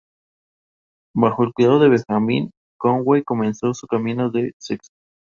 Bajo el cuidado de Benjamin, Conway comenzó su cambio de sexo.